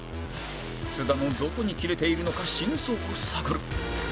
津田のどこにキレているのか真相を探る